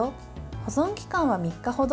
保存期間は３日ほど。